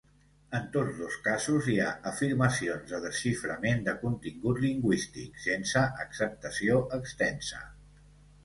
En tots dos casos hi ha afirmacions de desxiframent de contingut lingüístic, sense acceptació extensa.